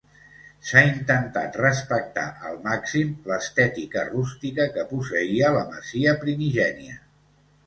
S'ha intentat respectar al màxim l'estètica rústica que posseïa la masia primigènia.